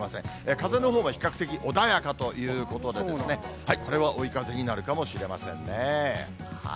風のほうが比較的穏やかということで、これは追い風になるかもしれませんね。